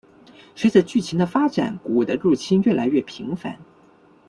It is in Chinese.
随着剧情的发展古物的入侵越来越频繁。